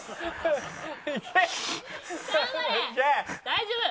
大丈夫！